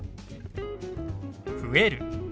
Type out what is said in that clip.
「増える」。